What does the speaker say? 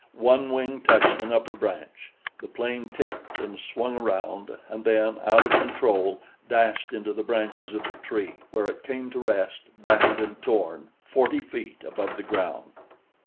One wing touched an upper branch; the plane tipped and swung around, and then, out of control, dashed into the branches of the tree, where it came to rest, battered and torn, forty feet above the ground.